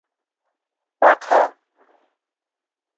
মূলত তিনটি পাশাপাশি অবস্থিত ভিন্ন জলপ্রপাত নিয়ে নায়াগ্রা জলপ্রপাত গঠিত।